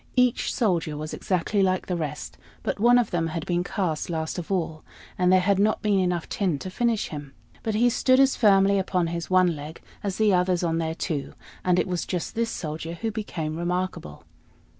Each soldier was exactly like the rest; but one of them had been cast last of all, and there had not been enough tin to finish him; but he stood as firmly upon his one leg as the others on their two; and it was just this Soldier who became remarkable.